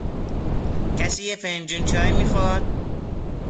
کسی یک فنجان چای می خواهد؟